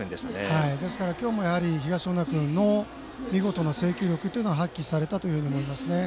ですから、今日も東恩納君の見事な制球力は発揮されたと思いますね。